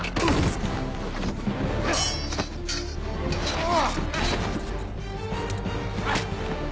うわ！